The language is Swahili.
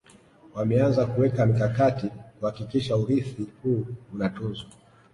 Wameanza kuweka mikakati kuhakikisha urithi huu unatunzwa